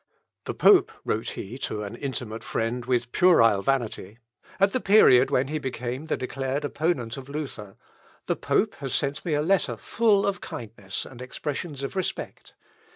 "The pope," wrote he to an intimate friend with puerile vanity, at the period when he became the declared opponent of Luther, "the pope has sent me a letter full of kindness and expressions of respect.